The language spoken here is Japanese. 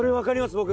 僕。